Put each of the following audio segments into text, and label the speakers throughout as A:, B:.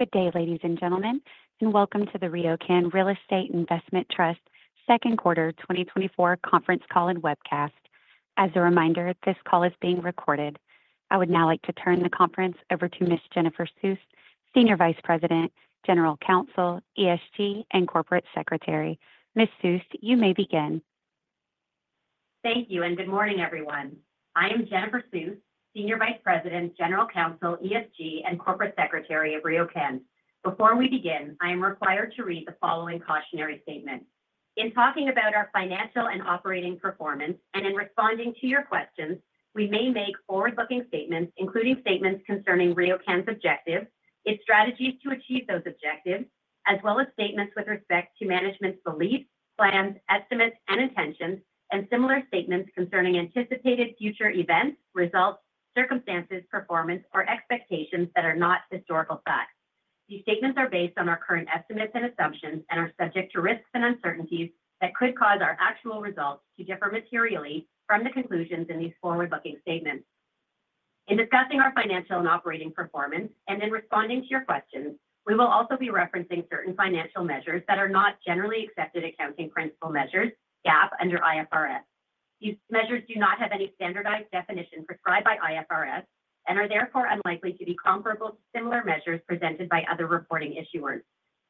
A: Good day, ladies and gentlemen, and welcome to the RioCan Real Estate Investment Trust second quarter 2024 conference call and webcast. As a reminder, this call is being recorded. I would now like to turn the conference over to Ms. Jennifer Suess, Senior Vice President, General Counsel, ESG, and Corporate Secretary. Ms. Suess, you may begin.
B: Thank you, and good morning, everyone. I am Jennifer Suess, Senior Vice President, General Counsel, ESG, and Corporate Secretary of RioCan. Before we begin, I am required to read the following cautionary statement: In talking about our financial and operating performance and in responding to your questions, we may make forward-looking statements, including statements concerning RioCan's objectives, its strategies to achieve those objectives, as well as statements with respect to management's beliefs, plans, estimates, and intentions, and similar statements concerning anticipated future events, results, circumstances, performance, or expectations that are not historical facts. These statements are based on our current estimates and assumptions and are subject to risks and uncertainties that could cause our actual results to differ materially from the conclusions in these forward-looking statements. In discussing our financial and operating performance and in responding to your questions, we will also be referencing certain financial measures that are not generally accepted accounting principles measures, GAAP, under IFRS. These measures do not have any standardized definition prescribed by IFRS and are therefore unlikely to be comparable to similar measures presented by other reporting issuers.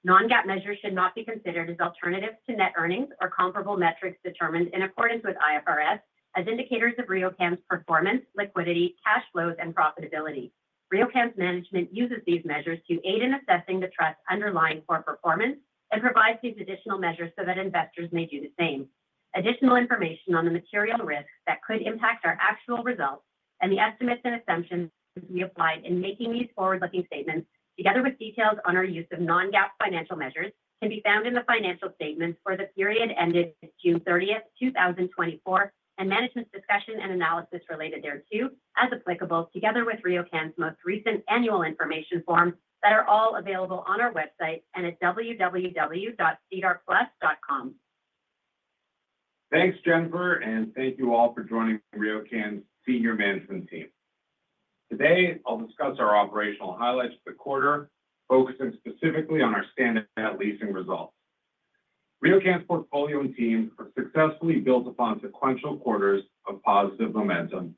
B: Non-GAAP measures should not be considered as alternatives to net earnings or comparable metrics determined in accordance with IFRS as indicators of RioCan's performance, liquidity, cash flows, and profitability. RioCan's management uses these measures to aid in assessing the Trust's underlying core performance and provides these additional measures so that investors may do the same. Additional information on the material risks that could impact our actual results and the estimates and assumptions to be applied in making these forward-looking statements, together with details on our use of non-GAAP financial measures, can be found in the financial statements for the period ended June 30, 2024, and management's discussion and analysis related thereto, as applicable, together with RioCan's most recent Annual Information Form, that are all available on our website and at www.sedarplus.com.
C: Thanks, Jennifer, and thank you all for joining RioCan's senior management team. Today, I'll discuss our operational highlights for the quarter, focusing specifically on our standard net leasing results. RioCan's portfolio and team have successfully built upon sequential quarters of positive momentum,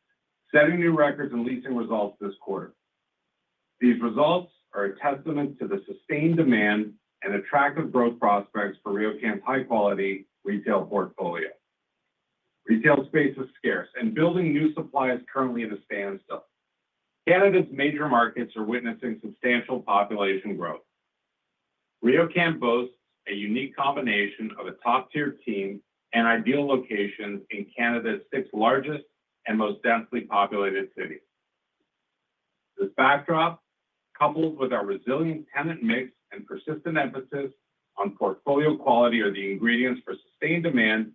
C: setting new records and leasing results this quarter. These results are a testament to the sustained demand and attractive growth prospects for RioCan's high-quality retail portfolio. Retail space is scarce, and building new supply is currently at a standstill. Canada's major markets are witnessing substantial population growth. RioCan boasts a unique combination of a top-tier team and ideal locations in Canada's six largest and most densely populated cities. This backdrop, coupled with our resilient tenant mix and persistent emphasis on portfolio quality, are the ingredients for sustained demand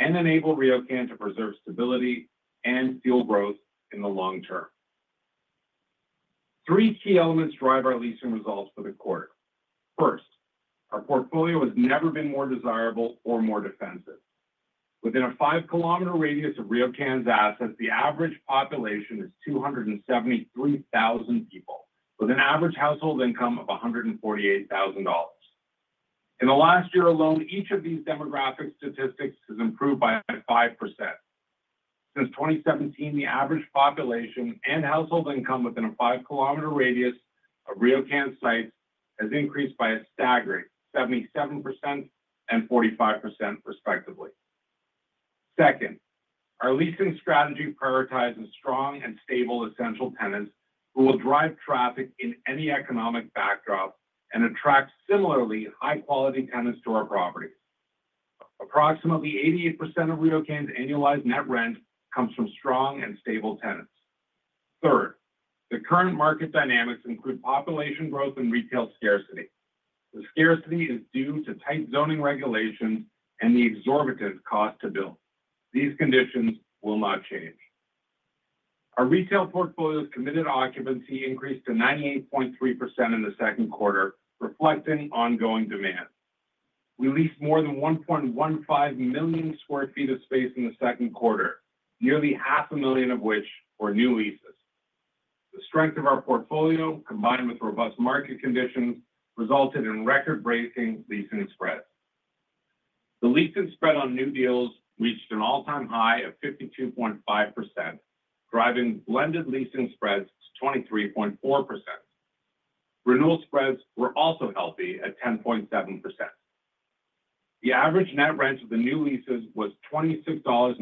C: and enable RioCan to preserve stability and fuel growth in the long term. Three key elements drive our leasing results for the quarter. First, our portfolio has never been more desirable or more defensive. Within a five-kilometer radius of RioCan's assets, the average population is 273,000 people, with an average household income of 148,000 dollars. In the last year alone, each of these demographic statistics has improved by 5%. Since 2017, the average population and household income within a five-kilometer radius of RioCan's sites has increased by a staggering 77% and 45%, respectively. Second, our leasing strategy prioritizes strong and stable essential tenants who will drive traffic in any economic backdrop and attract similarly high-quality tenants to our properties. Approximately 88% of RioCan's annualized net rent comes from strong and stable tenants. Third, the current market dynamics include population growth and retail scarcity. The scarcity is due to tight zoning regulations and the exorbitant cost to build. These conditions will not change. Our retail portfolio's committed occupancy increased to 98.3% in the second quarter, reflecting ongoing demand. We leased more than 1.15 million sq ft of space in the second quarter, nearly 0.5 million of which were new leases. The strength of our portfolio, combined with robust market conditions, resulted in record-breaking leasing spreads. The leasing spread on new deals reached an all-time high of 52.5%, driving blended leasing spreads to 23.4%. Renewal spreads were also healthy at 10.7%. The average net rent of the new leases was 26.16 dollars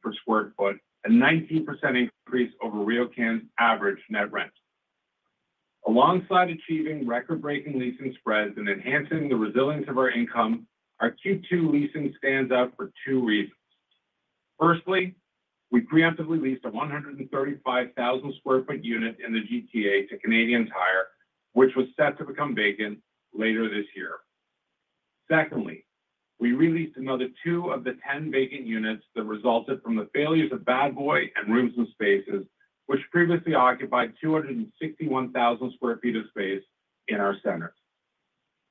C: per sq ft, a 19% increase over RioCan's average net rent. Alongside achieving record-breaking leasing spreads and enhancing the resilience of our income, our Q2 leasing stands out for two reasons. Firstly, we preemptively leased a 135,000 sq ft unit in the GTA to Canadian Tire, which was set to become vacant later this year. Secondly, we re-leased another two of the ten vacant units that resulted from the failures of Bad Boy and rooms + spaces, which previously occupied 261,000 sq ft of space in our centers.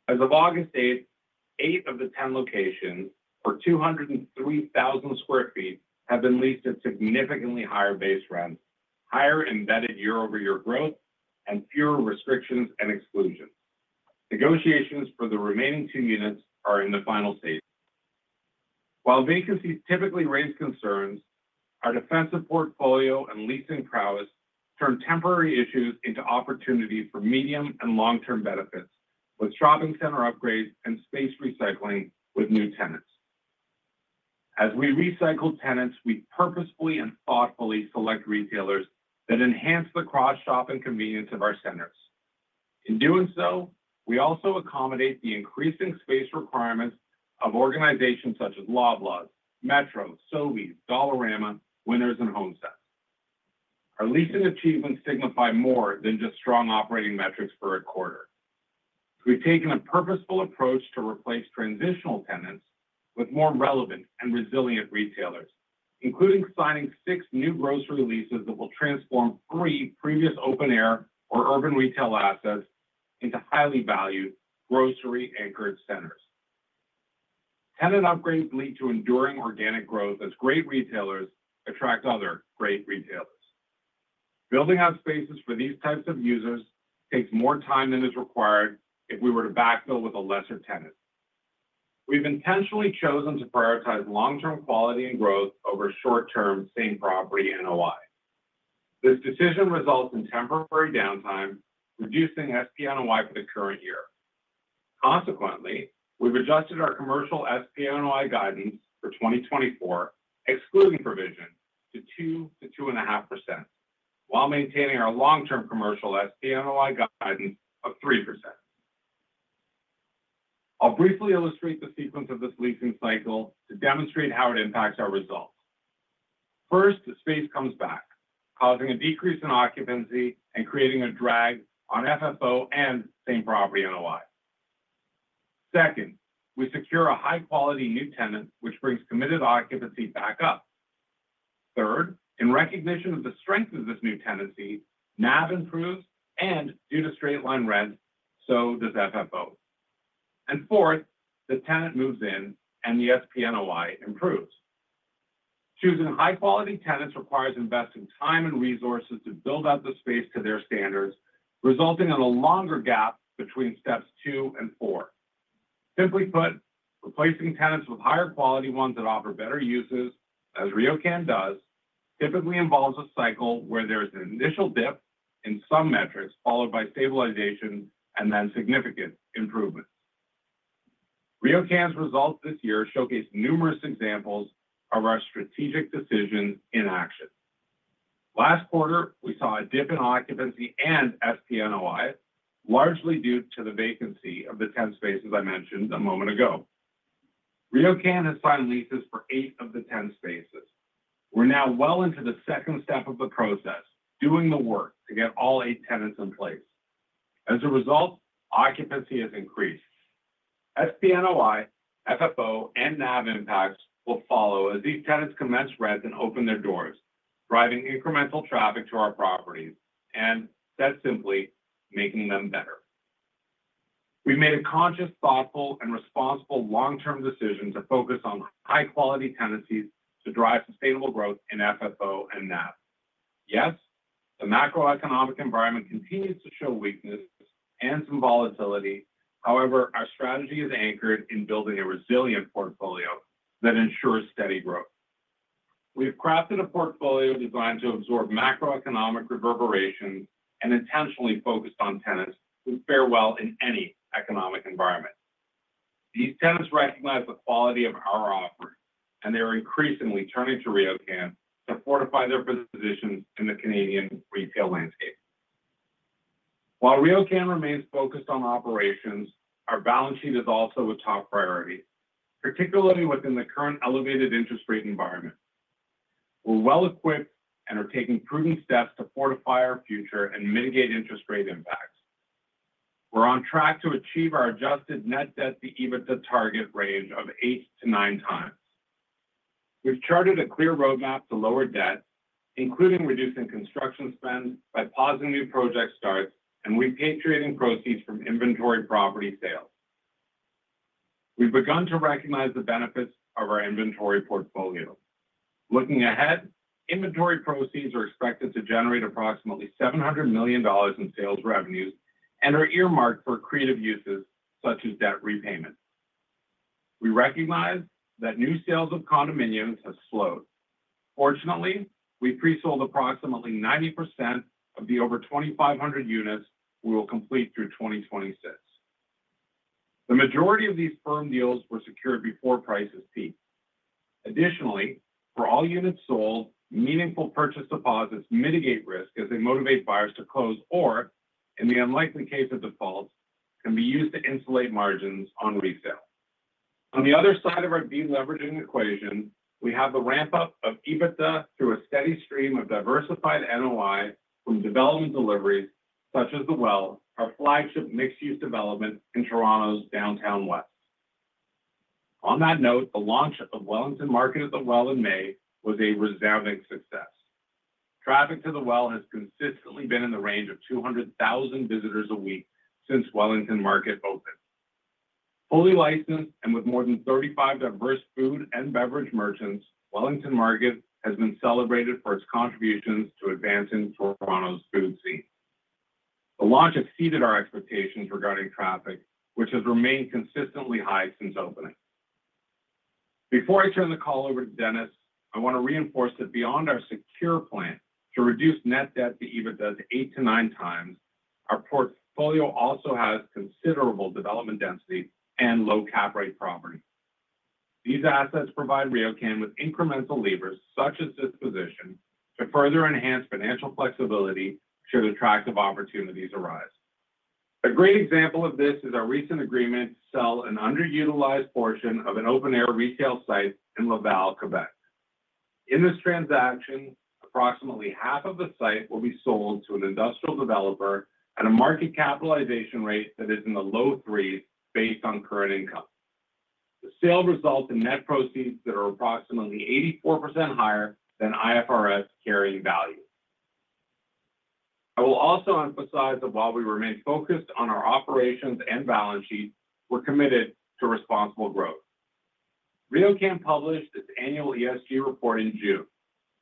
C: As of August 8th, eight of the 10 locations, or 203,000 sq ft, have been leased at significantly higher base rents, higher embedded year-over-year growth, and fewer restrictions and exclusions. Negotiations for the remaining two units are in the final stages. While vacancies typically raise concerns, our defensive portfolio and leasing prowess turn temporary issues into opportunities for medium and long-term benefits, with shopping center upgrades and space recycling with new tenants. As we recycle tenants, we purposefully and thoughtfully select retailers that enhance the cross-shopping convenience of our centers. In doing so, we also accommodate the increasing space requirements of organizations such as Loblaws, Metro, Sobeys, Dollarama, Winners, and HomeSense. Our leasing achievements signify more than just strong operating metrics for a quarter. We've taken a purposeful approach to replace transitional tenants with more relevant and resilient retailers, including signing six new grocery leases that will transform three previous open-air or urban retail assets into highly valued grocery-anchored centers. Tenant upgrades lead to enduring organic growth as great retailers attract other great retailers. Building out spaces for these types of users takes more time than is required if we were to backfill with a lesser tenant. We've intentionally chosen to prioritize long-term quality and growth over short-term same property NOI. This decision results in temporary downtime, reducing SPNOI for the current year. Consequently, we've adjusted our commercial SPNOI guidance for 2024, excluding provision to 2%-2.5%, while maintaining our long-term commercial SPNOI guidance of 3%. I'll briefly illustrate the sequence of this leasing cycle to demonstrate how it impacts our results. First, the space comes back, causing a decrease in occupancy and creating a drag on FFO and same property NOI. Second, we secure a high-quality new tenant, which brings committed occupancy back up. Third, in recognition of the strength of this new tenancy, NAV improves, and due to straight-line rent, so does FFO. Fourth, the tenant moves in, and the SPNOI improves. Choosing high-quality tenants requires investing time and resources to build out the space to their standards, resulting in a longer gap between steps two and four. Simply put, replacing tenants with higher quality ones that offer better uses, as RioCan does, typically involves a cycle where there is an initial dip in some metrics, followed by stabilization and then significant improvement. RioCan's results this year showcase numerous examples of our strategic decisions in action. Last quarter, we saw a dip in occupancy and SPNOI, largely due to the vacancy of the 10 spaces I mentioned a moment ago. RioCan has signed leases for eight of the 10 spaces. We're now well into the second step of the process, doing the work to get all eight tenants in place. As a result, occupancy has increased. SPNOI, FFO, and NAV impacts will follow as these tenants commence rents and open their doors, driving incremental traffic to our properties and, said simply, making them better. We've made a conscious, thoughtful, and responsible long-term decision to focus on high-quality tenancies to drive sustainable growth in FFO and NAV. Yes, the macroeconomic environment continues to show weakness and some volatility. However, our strategy is anchored in building a resilient portfolio that ensures steady growth. We've crafted a portfolio designed to absorb macroeconomic reverberations and intentionally focused on tenants who fare well in any economic environment. These tenants recognize the quality of our offering, and they are increasingly turning to RioCan to fortify their business positions in the Canadian retail landscape. While RioCan remains focused on operations, our balance sheet is also a top priority, particularly within the current elevated interest rate environment. We're well equipped and are taking prudent steps to fortify our future and mitigate interest rate impacts. We're on track to achieve our Adjusted net debt to EBITDA target range of eight to nine times. We've charted a clear roadmap to lower debt, including reducing construction spend by pausing new project starts and repatriating proceeds from inventory property sales. We've begun to recognize the benefits of our inventory portfolio. Looking ahead, inventory proceeds are expected to generate approximately 700 million dollars in sales revenues and are earmarked for creative uses, such as debt repayment. We recognize that new sales of condominiums have slowed. Fortunately, we presold approximately 90% of the over 2,500 units we will complete through 2026. The majority of these firm deals were secured before prices peaked. Additionally, for all units sold, meaningful purchase deposits mitigate risk as they motivate buyers to close, or in the unlikely case of default, can be used to insulate margins on resale. On the other side of our de-leveraging equation, we have the ramp-up of EBITDA through a steady stream of diversified NOI from development deliveries such as The Well, our flagship mixed-use development in Toronto's Downtown West. On that note, the launch of Wellington Market at The Well in May was a resounding success. Traffic to The Well has consistently been in the range of 200,000 visitors a week since Wellington Market opened. Fully licensed, and with more than 35 diverse food and beverage merchants, Wellington Market has been celebrated for its contributions to advancing Toronto's food scene. The launch exceeded our expectations regarding traffic, which has remained consistently high since opening. Before I turn the call over to Dennis, I want to reinforce that beyond our secure plan to reduce net debt to EBITDA to eight to nine times, our portfolio also has considerable development density and low cap rate properties. These assets provide RioCan with incremental levers, such as disposition, to further enhance financial flexibility should attractive opportunities arise. A great example of this is our recent agreement to sell an underutilized portion of an open-air retail site in Laval, Quebec. In this transaction, approximately half of the site will be sold to an industrial developer at a market capitalization rate that is in the low 3s based on current income. The sale results in net proceeds that are approximately 84% higher than IFRS carrying value. I will also emphasize that while we remain focused on our operations and balance sheet, we're committed to responsible growth. RioCan published its annual ESG report in June.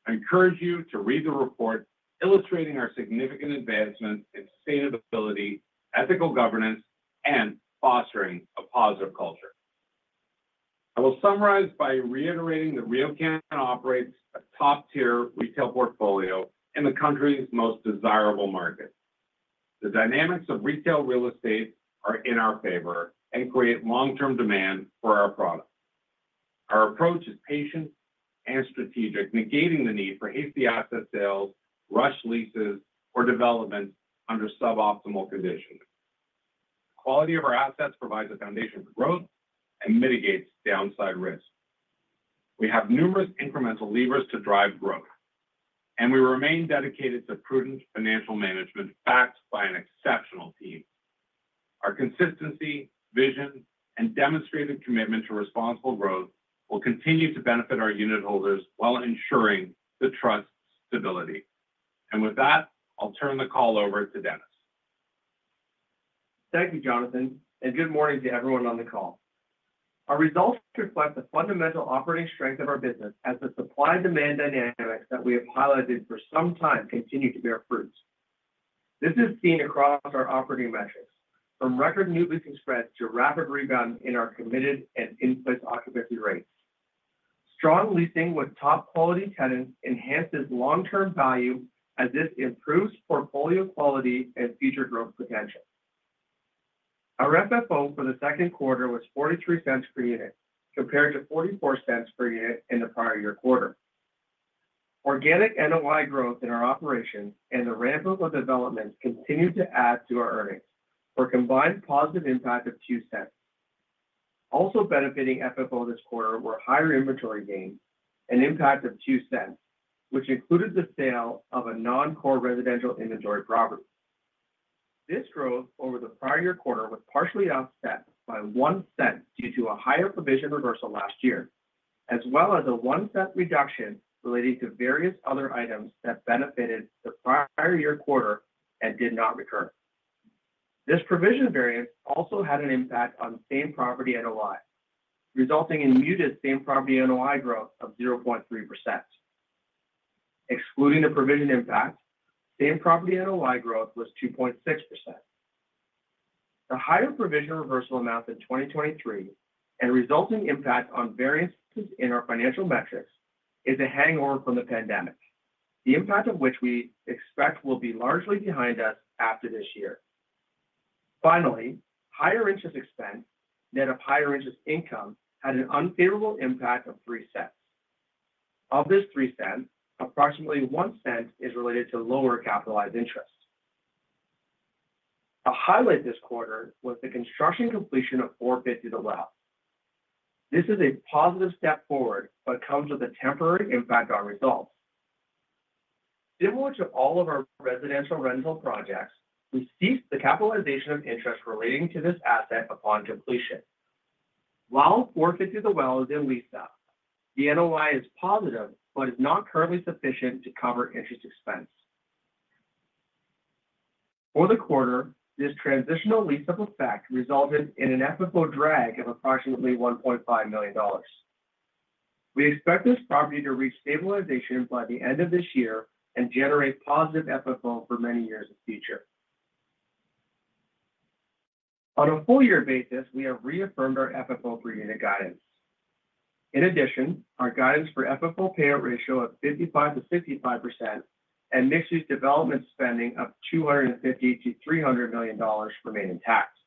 C: I encourage you to read the report illustrating our significant advancements in sustainability, ethical governance, and fostering a positive culture. I will summarize by reiterating that RioCan operates a top-tier retail portfolio in the country's most desirable markets. The dynamics of retail real estate are in our favor and create long-term demand for our products. Our approach is patient and strategic, negating the need for hasty asset sales, rushed leases, or development under suboptimal conditions. The quality of our assets provides a foundation for growth and mitigates downside risk. We have numerous incremental levers to drive growth, and we remain dedicated to prudent financial management, backed by an exceptional team. Our consistency, vision, and demonstrated commitment to responsible growth will continue to benefit our unit holders while ensuring the trust's stability. With that, I'll turn the call over to Dennis.
D: Thank you, Jonathan, and good morning to everyone on the call. Our results reflect the fundamental operating strength of our business as the supply-demand dynamics that we have highlighted for some time continue to bear fruit. This is seen across our operating metrics, from record new leasing spreads to rapid rebound in our committed and in-place occupancy rates. Strong leasing with top-quality tenants enhances long-term value as this improves portfolio quality and future growth potential. Our FFO for the second quarter was 0.43 per unit, compared to 0.44 per unit in the prior year quarter. Organic NOI growth in our operations and the ramp-up of developments continued to add to our earnings for a combined positive impact of 0.02. Also benefiting FFO this quarter were higher inventory gains, an impact of 0.02, which included the sale of a non-core residential inventory property. This growth over the prior year quarter was partially offset by 0.01 due to a higher provision reversal last year, as well as a 0.01 reduction relating to various other items that benefited the prior year quarter and did not recur. This provision variance also had an impact on same-property NOI, resulting in muted same-property NOI growth of 0.3%. Excluding the provision impact, same-property NOI growth was 2.6%. The higher provision reversal amount in 2023 and resulting impact on variances in our financial metrics is a hangover from the pandemic, the impact of which we expect will be largely behind us after this year. Finally, higher interest expense net of higher interest income had an unfavorable impact of 0.03. Of this 0.03, approximately 0.01 is related to lower capitalized interest. A highlight this quarter was the construction completion of 450 The Well. This is a positive step forward, but comes with a temporary impact on results. Similar to all of our residential rental projects, we ceased the capitalization of interest relating to this asset upon completion. While 450 The Well is in lease up, the NOI is positive but is not currently sufficient to cover interest expense. For the quarter, this transitional lease-up effect resulted in an FFO drag of approximately 1.5 million dollars. We expect this property to reach stabilization by the end of this year and generate positive FFO for many years in future. On a full year basis, we have reaffirmed our FFO per unit guidance. In addition, our guidance for FFO payout ratio of 55%-55% and this year's development spending of 250 million-300 million dollars remain intact.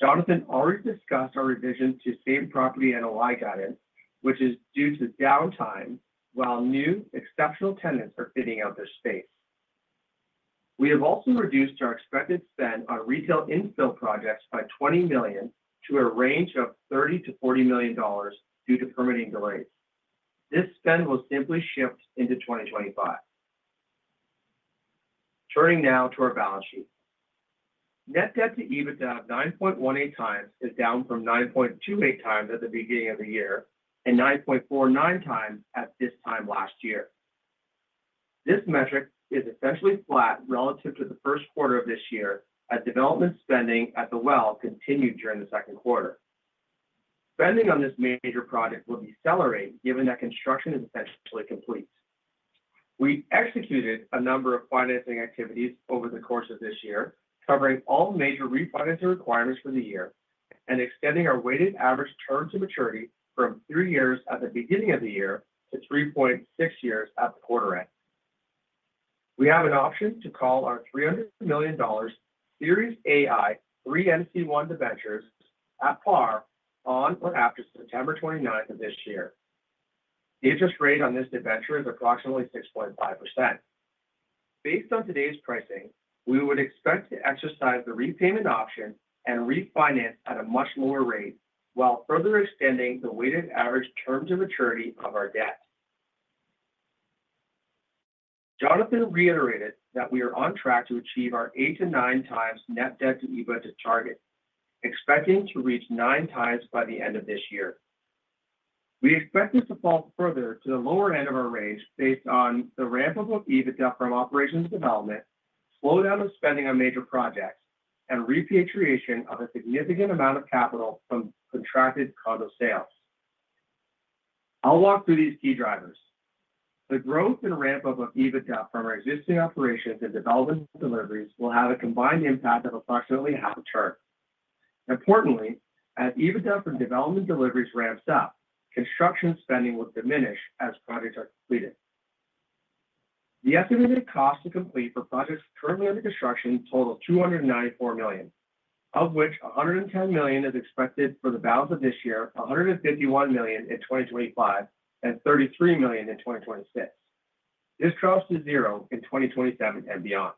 D: Jonathan already discussed our revision to same-property NOI guidance, which is due to downtime while new exceptional tenants are fitting out their space. We have also reduced our expected spend on retail infill projects by 20 million to a range of 30 million dollars-CAD40 million due to permitting delays. This spend will simply shift into 2025.... Turning now to our balance sheet. Net debt to EBITDA of 9.18x is down from 9.28x at the beginning of the year and 9.49x at this time last year. This metric is essentially flat relative to the first quarter of this year, as development spending at The Well continued during the second quarter. Spending on this major project will decelerate, given that construction is essentially complete. We executed a number of financing activities over the course of this year, covering all major refinancing requirements for the year and extending our weighted average term to maturity from 3 years at the beginning of the year to 3.6 years at the quarter end. We have an option to call our 300 million dollars Series AI 3NC1` debentures at par on or after September 29th of this year. The interest rate on this debenture is approximately 6.5%. Based on today's pricing, we would expect to exercise the repayment option and refinance at a much lower rate while further extending the weighted average term to maturity of our debt. Jonathan reiterated that we are on track to achieve our eight to nine times net debt to EBITDA target, expecting to reach nine times by the end of this year. We expect this to fall further to the lower end of our range based on the ramp-up of EBITDA from operations development, slowdown of spending on major projects, and repatriation of a significant amount of capital from contracted condo sales. I'll walk through these key drivers. The growth and ramp-up of EBITDA from our existing operations and development deliveries will have a combined impact of approximately 0.5 turn. Importantly, as EBITDA from development deliveries ramps up, construction spending will diminish as projects are completed. The estimated cost to complete for projects currently under construction total 294 million, of which 110 million is expected for the balance of this year, 151 million in 2025, and 33 million in 2026. This drops to zero in 2027 and beyond.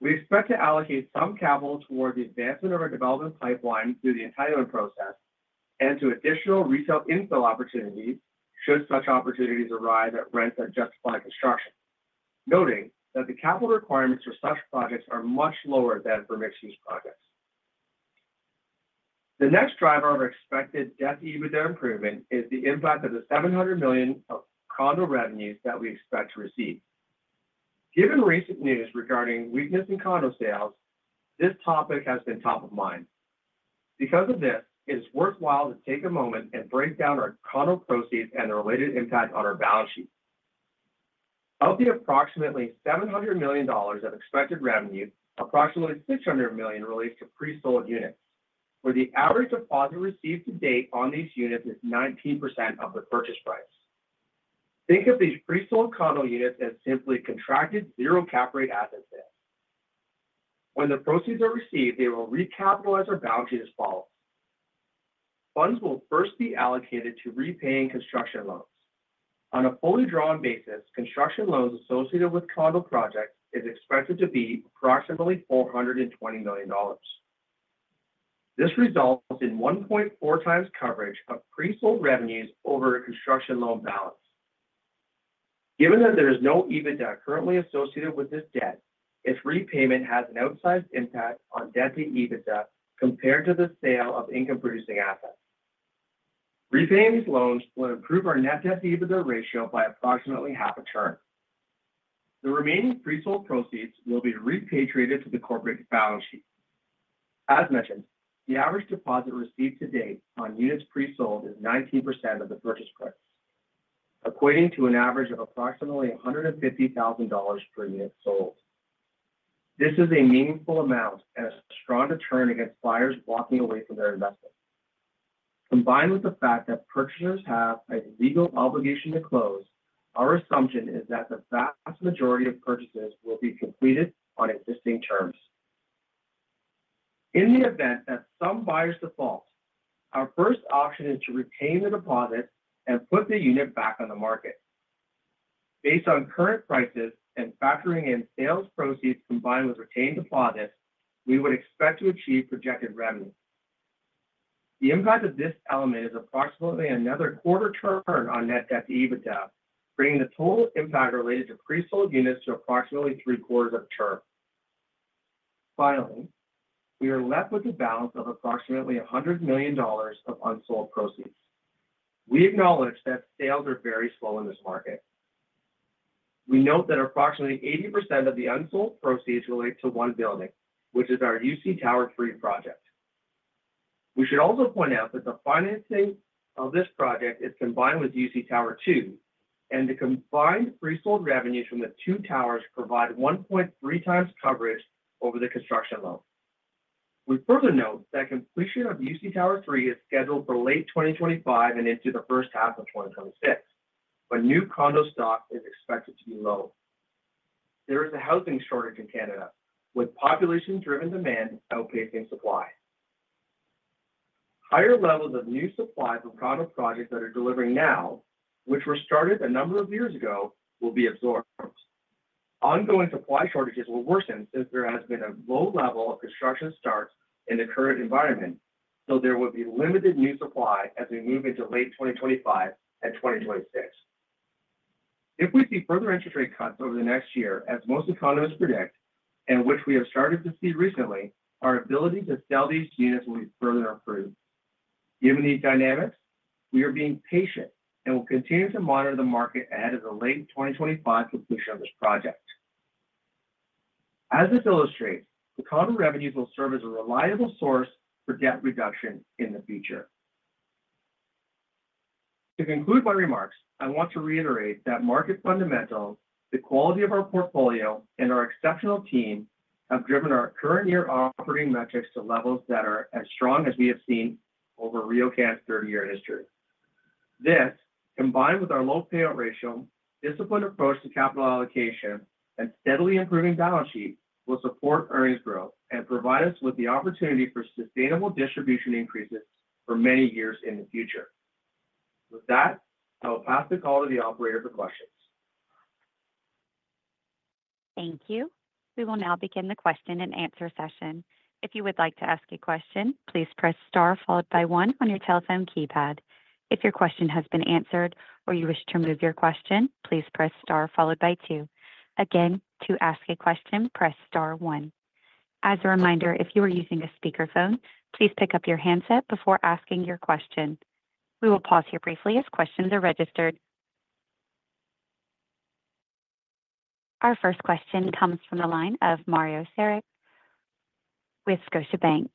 D: We expect to allocate some capital toward the advancement of our development pipeline through the entitlement process and to additional retail infill opportunities, should such opportunities arise at rents that justify construction. Noting that the capital requirements for such projects are much lower than for mixed-use projects. The next driver of expected debt to EBITDA improvement is the impact of the 700 million of condo revenues that we expect to receive. Given recent news regarding weakness in condo sales, this topic has been top of mind. Because of this, it's worthwhile to take a moment and break down our condo proceeds and the related impact on our balance sheet. Of the approximately 700 million dollars of expected revenue, approximately CAD 600 million relates to pre-sold units, where the average deposit received to date on these units is 19% of the purchase price. Think of these pre-sold condo units as simply contracted 0 cap rate asset sales. When the proceeds are received, they will recapitalize our balance sheet as follows: Funds will first be allocated to repaying construction loans. On a fully drawn basis, construction loans associated with condo projects is expected to be approximately 420 million dollars. This results in 1.4 times coverage of pre-sold revenues over a construction loan balance. Given that there is no EBITDA currently associated with this debt, its repayment has an outsized impact on debt to EBITDA compared to the sale of income-producing assets. Repaying these loans will improve our net debt to EBITDA ratio by approximately half a turn. The remaining pre-sold proceeds will be repatriated to the corporate balance sheet. As mentioned, the average deposit received to date on units pre-sold is 19% of the purchase price, equating to an average of approximately 150,000 dollars per unit sold. This is a meaningful amount and a strong deterrent against buyers walking away from their investment. Combined with the fact that purchasers have a legal obligation to close, our assumption is that the vast majority of purchases will be completed on existing terms. In the event that some buyers default, our first option is to retain the deposit and put the unit back on the market. Based on current prices and factoring in sales proceeds combined with retained deposits, we would expect to achieve projected revenue. The impact of this element is approximately another quarter turn on net debt to EBITDA, bringing the total impact related to pre-sold units to approximately three-quarters of turn. Finally, we are left with a balance of approximately 100 million dollars of unsold proceeds. We acknowledge that sales are very slow in this market. We note that approximately 80% of the unsold proceeds relate to one building, which is our UC Tower 3 project. We should also point out that the financing of this project is combined with UC Tower 2, and the combined pre-sold revenues from the 2 towers provide 1.3 times coverage over the construction loan. We further note that completion of UC Tower 3 is scheduled for late 2025 and into the first half of 2026, but new condo stock is expected to be low. There is a housing shortage in Canada, with population-driven demand outpacing supply. Higher levels of new supply from condo projects that are delivering now, which were started a number of years ago, will be absorbed. Ongoing supply shortages will worsen since there has been a low level of construction starts in the current environment... so there will be limited new supply as we move into late 2025 and 2026. If we see further interest rate cuts over the next year, as most economists predict, and which we have started to see recently, our ability to sell these units will be further improved. Given these dynamics, we are being patient and will continue to monitor the market ahead of the late 2025 completion of this project. As this illustrates, the condo revenues will serve as a reliable source for debt reduction in the future. To conclude my remarks, I want to reiterate that market fundamentals, the quality of our portfolio, and our exceptional team have driven our current year operating metrics to levels that are as strong as we have seen over RioCan's 30-year history. This, combined with our low payout ratio, disciplined approach to capital allocation, and steadily improving balance sheet, will support earnings growth and provide us with the opportunity for sustainable distribution increases for many years in the future. With that, I will pass the call to the operator for questions.
A: Thank you. We will now begin the question and answer session. If you would like to ask a question, please press star followed by one on your telephone keypad. If your question has been answered or you wish to remove your question, please press star followed by two. Again, to ask a question, press star one. As a reminder, if you are using a speakerphone, please pick up your handset before asking your question. We will pause here briefly as questions are registered. Our first question comes from the line of Mario Saric with Scotiabank.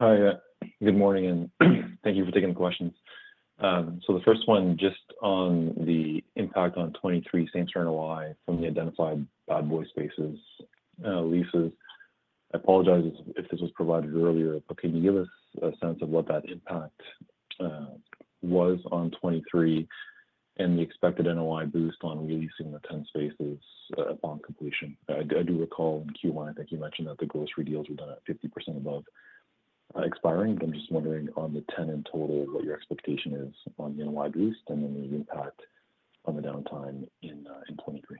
E: Hiya. Good morning, and thank you for taking the questions. So the first one, just on the impact on 2023 straight-line NOI from the identified Bad Boy spaces, leases. I apologize if this was provided earlier, but can you give us a sense of what that impact was on 2023 and the expected NOI boost on releasing the 10 spaces upon completion? I do recall in Q1, I think you mentioned that the grocery deals were done at 50% above expiring. I'm just wondering on the tenant total, what your expectation is on NOI boost, and then the impact on the downtime in 2023.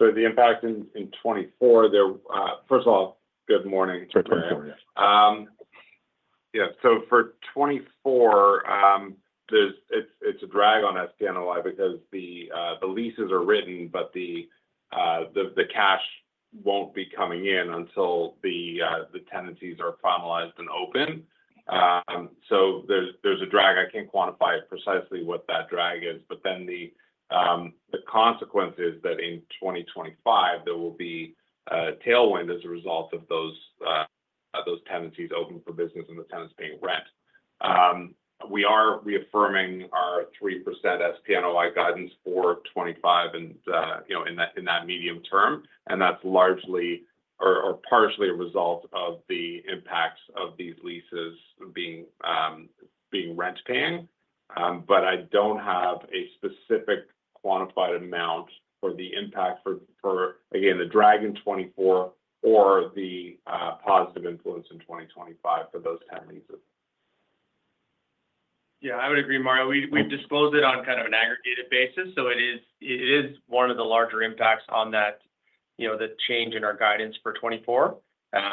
F: The impact in 2024 there. First of all, good morning.
E: Sorry, 2024, yeah.
C: Yeah. So for 2024, there's—it's a drag on SPNOI because the leases are written, but the cash won't be coming in until the tenancies are formalized and open. So there's a drag. I can't quantify it precisely what that drag is, but then the consequence is that in 2025, there will be a tailwind as a result of those tenancies opening for business and the tenants paying rent. We are reaffirming our 3% SPNOI guidance for 2025 and, you know, in that medium term, and that's largely or partially a result of the impacts of these leases being rent paying. But I don't have a specific quantified amount for the impact for again the drag in 2024 or the positive influence in 2025 for those 10 leases.
D: Yeah, I would agree, Mario. We, we've disclosed it on kind of an aggregated basis, so it is, it is one of the larger impacts on that, you know, the change in our guidance for 2024.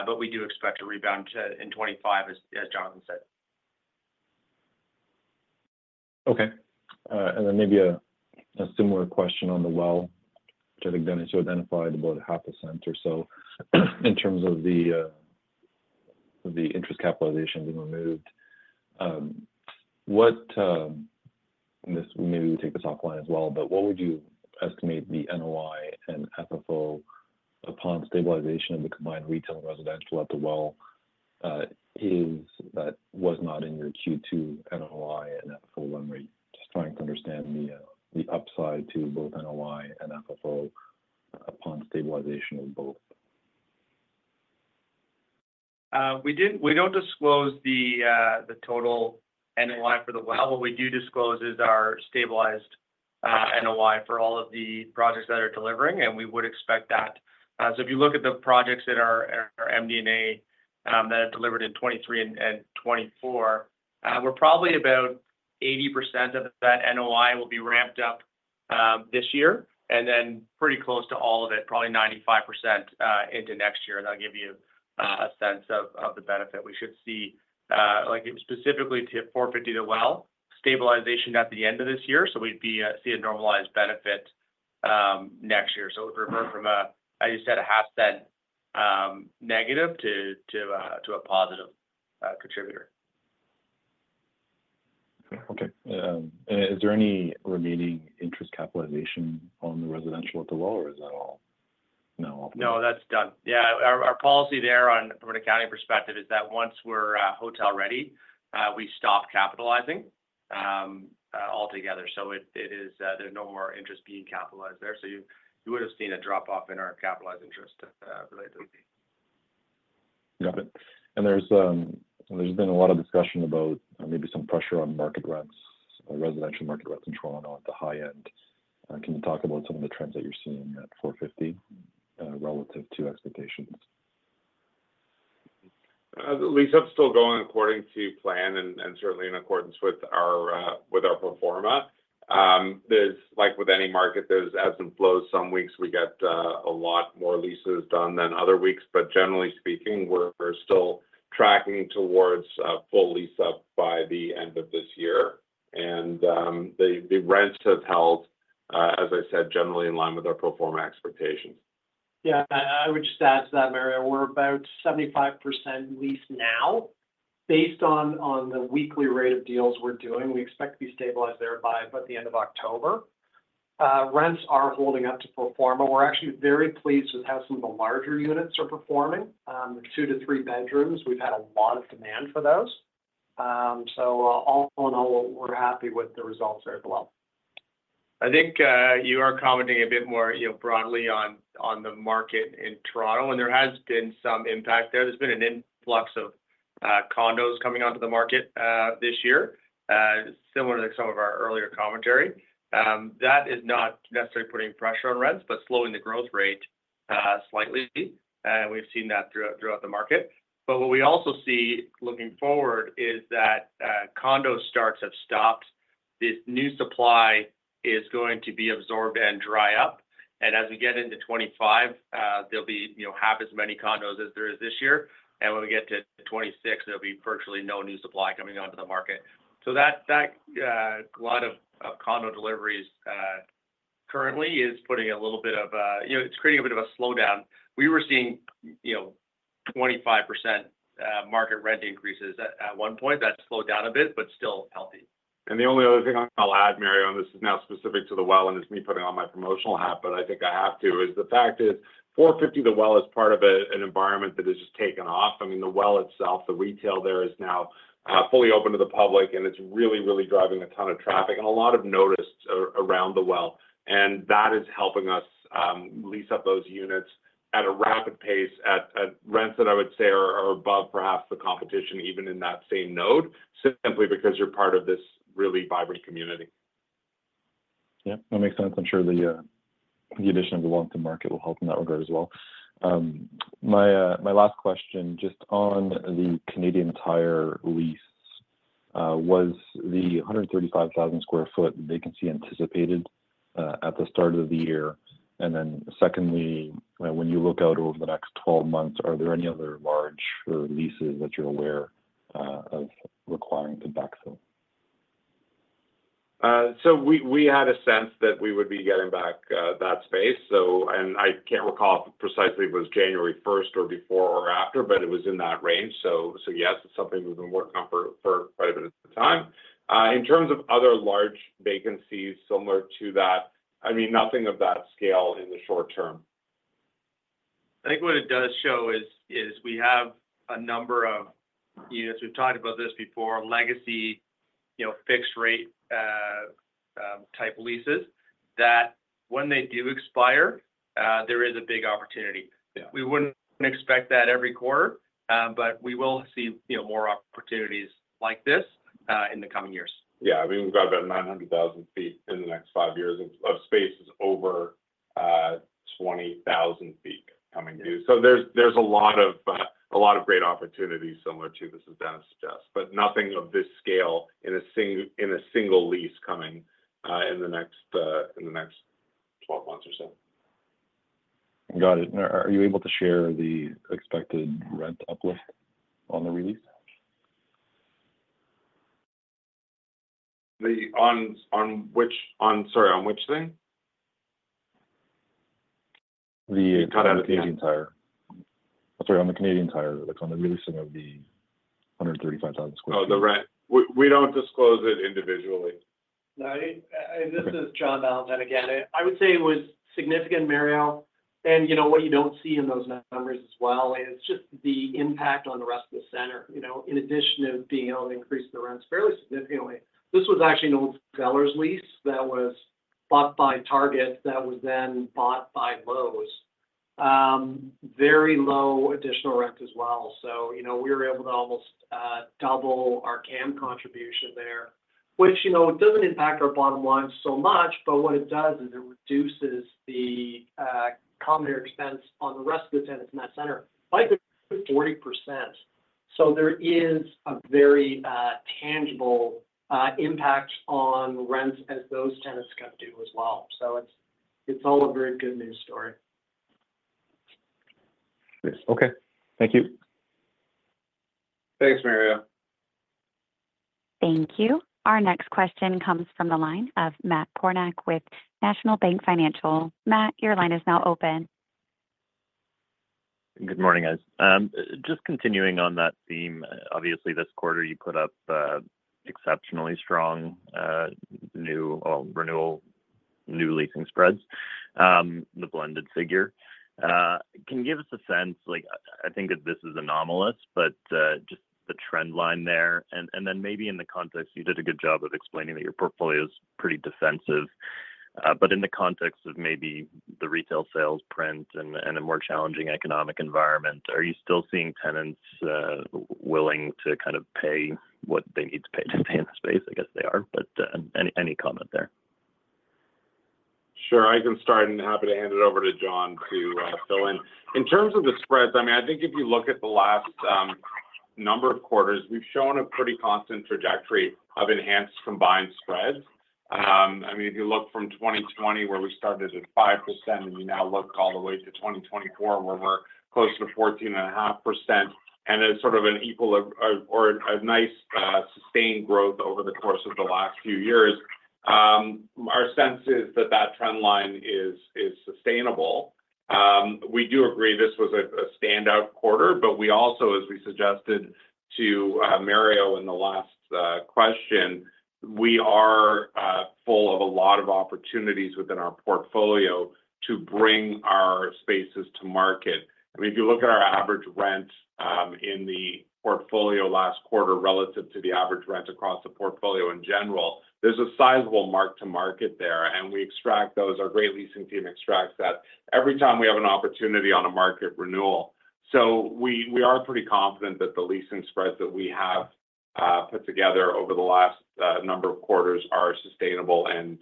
D: But we do expect to rebound to, in 2025, as, as Jonathan said.
E: Okay. And then maybe a similar question on The Well, which I think Dennis identified about CAD 0.005 or so, in terms of the interest capitalization being removed. What this maybe we take the top line as well, but what would you estimate the NOI and FFO upon stabilization of the combined retail and residential at The Well is, that was not in your Q2 NOI and FFO memory? Just trying to understand the upside to both NOI and FFO upon stabilization of both.
D: We don't disclose the total NOI for The Well. What we do disclose is our stabilized NOI for all of the projects that are delivering, and we would expect that. So if you look at the projects that are MD&A that have delivered in 2023 and 2024, we're probably about 80% of that NOI will be ramped up this year, and then pretty close to all of it, probably 95%, into next year. And that'll give you a sense of the benefit. We should see, like specifically to 450 The Well, well, stabilization at the end of this year, so we'd see a normalized benefit next year. So it would revert from a, as you said, a half cent negative to a positive contributor.
E: Okay, is there any remaining interest capitalization on the residential at The Well, or is that all now open?
D: No, that's done. Yeah, our policy there on from an accounting perspective is that once we're hotel ready, we stop capitalizing altogether. So it is, there's no more interest being capitalized there. So you would have seen a drop off in our capitalized interest, related.
E: Got it. And there's, there's been a lot of discussion about maybe some pressure on market rents, residential market rents in Toronto at the high end. Can you talk about some of the trends that you're seeing at 450, relative to expectations?...
C: The lease-up is still going according to plan and certainly in accordance with our pro forma. There's like with any market, there's ebbs and flows. Some weeks we get a lot more leases done than other weeks, but generally speaking, we're still tracking towards a full lease-up by the end of this year. And the rents have held, as I said, generally in line with our pro forma expectations.
D: Yeah, I would just add to that, Mario, we're about 75% leased now. Based on the weekly rate of deals we're doing, we expect to be stabilized there by about the end of October. Rents are holding up to pro forma. We're actually very pleased with how some of the larger units are performing. The 2-3 bedrooms, we've had a lot of demand for those. So all in all, we're happy with the results there as well. I think, you are commenting a bit more, you know, broadly on, on the market in Toronto, and there has been some impact there. There's been an influx of, condos coming onto the market, this year, similar to some of our earlier commentary. That is not necessarily putting pressure on rents, but slowing the growth rate, slightly, and we've seen that throughout, throughout the market. But what we also see looking forward is that, condo starts have stopped. This new supply is going to be absorbed and dry up, and as we get into 2025, there'll be, you know, half as many condos as there is this year. And when we get to 2026, there'll be virtually no new supply coming onto the market. So that, that, lot of, of condo deliveries, currently is putting a little bit of a... You know, it's creating a bit of a slowdown. We were seeing, you know, 25% market rent increases at one point. That slowed down a bit, but still healthy.
C: And the only other thing I'll add, Mario, and this is now specific to The Well, and it's me putting on my promotional hat, but I think I have to, is the fact is, 450 The Well is part of an environment that has just taken off. I mean, The Well itself, the retail there is now fully open to the public, and it's really, really driving a ton of traffic and a lot of notice around The Well, and that is helping us lease up those units at a rapid pace, at rents that I would say are above perhaps the competition, even in that same node, simply because you're part of this really vibrant community.
E: Yeah, that makes sense. I'm sure the addition of The Well to market will help in that regard as well. My last question, just on the Canadian Tire lease, was the 135,000 sq ft vacancy anticipated at the start of the year? And then secondly, when you look out over the next 12 months, are there any other large leases that you're aware of requiring backfill?
C: We had a sense that we would be getting back that space. So, and I can't recall if precisely it was January first or before or after, but it was in that range. So, yes, it's something we've been working on for quite a bit of time. In terms of other large vacancies similar to that, I mean, nothing of that scale in the short term.
D: I think what it does show is we have a number of units, we've talked about this before, legacy, you know, fixed rate type leases, that when they do expire, there is a big opportunity.
C: Yeah.
D: We wouldn't expect that every quarter, but we will see, you know, more opportunities like this, in the coming years.
C: Yeah. I mean, we've got about 900,000 sq ft in the next five years of spaces over 20,000 sq ft coming due.
E: Yeah.
C: So there's a lot of great opportunities similar to this, as Dennis suggests, but nothing of this scale in a single lease coming in the next 12 months or so.
E: Got it. Are you able to share the expected rent uplift on the re-lease?
C: Sorry, on which thing?
E: The Canadian Tire.
C: Got it.
E: Sorry, on the Canadian Tire, like on the re-leasing of the 135,000 sq ft.
C: Oh, the rent. We don't disclose it individually.
G: No, I, this is John Ballantyne again. I would say it was significant, Mario, and, you know, what you don't see in those numbers as well is just the impact on the rest of the center. You know, in addition of being able to increase the rents fairly significantly, this was actually an old Zellers lease that was bought by Target, that was then bought by Lowe's. Very low additional rent as well. So, you know, we were able to almost, double our CAM contribution there, which, you know, it doesn't impact our bottom line so much, but what it does is it reduces the, common area expense on the rest of the tenants in that center by 40%. So there is a very, tangible, impact on rents as those tenants come due as well. It's all a very good news story.
E: Okay. Thank you.
C: Thanks, Mario.
A: Thank you. Our next question comes from the line of Matt Kornack with National Bank Financial. Matt, your line is now open.
H: Good morning, guys. Just continuing on that theme, obviously, this quarter, you put up exceptionally strong new or renewal new leasing spreads, the blended figure. Can you give us a sense... Like, I think that this is anomalous, but just the trend line there, and then maybe in the context, you did a good job of explaining that your portfolio is pretty defensive. But in the context of maybe the retail sales print and a more challenging economic environment, are you still seeing tenants willing to kind of pay what they need to pay to pay in the space? I guess they are, but any comment there? ...
C: Sure, I can start and happy to hand it over to John to fill in. In terms of the spreads, I mean, I think if you look at the last number of quarters, we've shown a pretty constant trajectory of enhanced combined spreads. I mean, if you look from 2020, where we started at 5%, and you now look all the way to 2024, where we're close to 14.5%, and it's sort of an equal or, or a nice sustained growth over the course of the last few years. Our sense is that that trend line is sustainable. We do agree this was a standout quarter, but we also, as we suggested to Mario in the last question, we are full of a lot of opportunities within our portfolio to bring our spaces to market. I mean, if you look at our average rent in the portfolio last quarter relative to the average rent across the portfolio in general, there's a sizable mark to market there, and we extract those. Our great leasing team extracts that every time we have an opportunity on a market renewal. So we are pretty confident that the leasing spreads that we have put together over the last number of quarters are sustainable and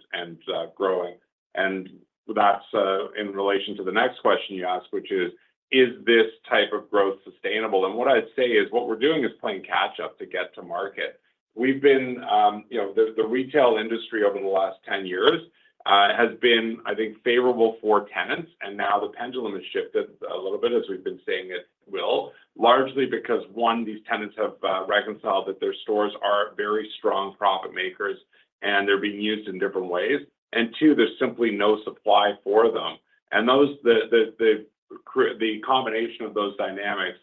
C: growing. And that's in relation to the next question you ask, which is: Is this type of growth sustainable? And what I'd say is, what we're doing is playing catch up to get to market. We've been, you know, the retail industry over the last 10 years has been, I think, favorable for tenants, and now the pendulum has shifted a little bit, as we've been saying it will. Largely because, one, these tenants have reconciled that their stores are very strong profit makers, and they're being used in different ways. And two, there's simply no supply for them. And those, the combination of those dynamics,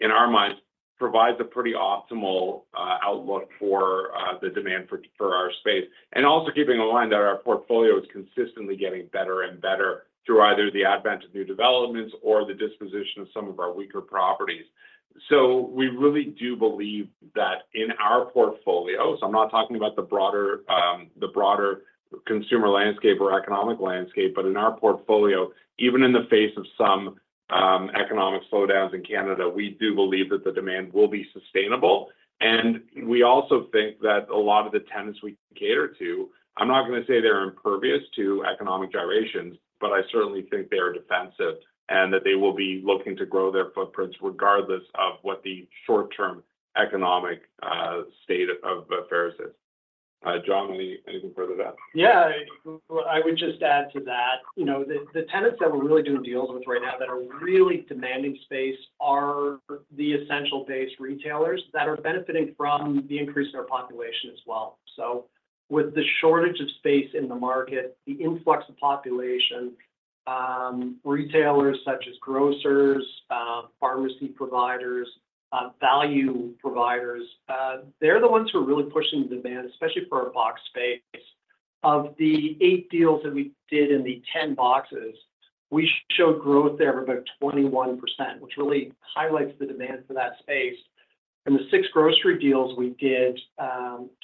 C: in our minds, provides a pretty optimal outlook for the demand for our space. And also keeping in mind that our portfolio is consistently getting better and better through either the advent of new developments or the disposition of some of our weaker properties. So we really do believe that in our portfolio. So I'm not talking about the broader - the broader consumer landscape or economic landscape, but in our portfolio, even in the face of some economic slowdowns in Canada, we do believe that the demand will be sustainable. And we also think that a lot of the tenants we cater to. I'm not going to say they're impervious to economic gyrations, but I certainly think they are defensive and that they will be looking to grow their footprints regardless of what the short-term economic state of affairs is. John, anything further to that?
G: Yeah, well, I would just add to that. You know, the, the tenants that we're really doing deals with right now that are really demanding space are the essential-based retailers that are benefiting from the increase in our population as well. So with the shortage of space in the market, the influx of population, retailers such as grocers, pharmacy providers, value providers, they're the ones who are really pushing the demand, especially for a box space. Of the eight deals that we did in the 10 boxes, we showed growth there of about 21%, which really highlights the demand for that space. And the six grocery deals we did,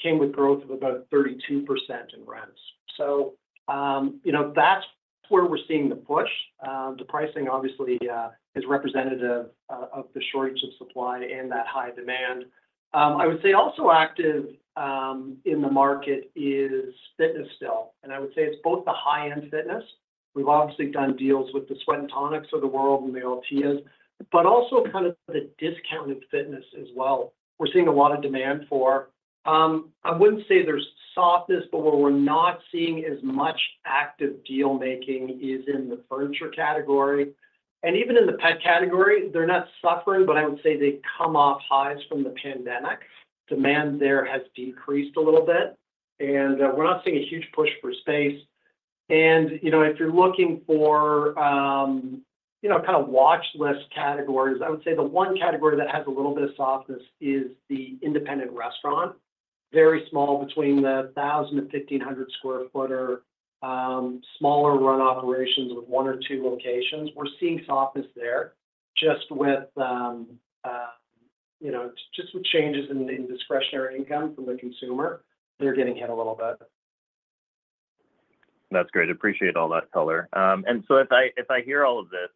G: came with growth of about 32% in rents. So, you know, that's where we're seeing the push. The pricing obviously is representative of, of the shortage of supply and that high demand. I would say also active in the market is fitness still, and I would say it's both the high-end fitness. We've obviously done deals with the Sweat and Tonic of the world and the LTAs, but also kind of the discounted fitness as well. We're seeing a lot of demand for, I wouldn't say there's softness, but where we're not seeing as much active deal making is in the furniture category. And even in the pet category, they're not suffering, but I would say they've come off highs from the pandemic. Demand there has decreased a little bit, and we're not seeing a huge push for space. And, you know, if you're looking for, you know, kind of watch list categories, I would say the one category that has a little bit of softness is the independent restaurant. Very small, between 1,000 sq ft and 1,500 sq ft, smaller run operations with one or two locations. We're seeing softness there, just with, you know, just with changes in, in discretionary income from the consumer. They're getting hit a little bit.
H: That's great. Appreciate all that color. And so if I, if I hear all of this,